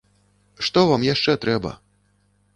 Што вам яшчэ трэба?